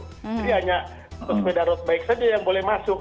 jadi hanya sepeda road bike saja yang boleh masuk